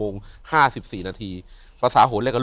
อยู่ที่แม่ศรีวิรัยิลครับ